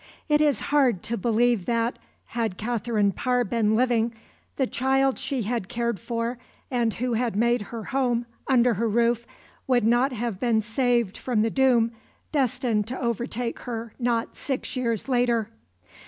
It is hard to believe that, had Katherine Parr been living, the child she had cared for and who had made her home under her roof, would not have been saved from the doom destined to overtake her not six years later.